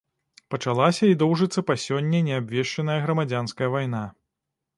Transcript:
Пачалася і доўжыцца па сёння неабвешчаная грамадзянская вайна.